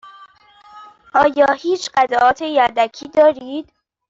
آیا هیچ قطعات یدکی دارید؟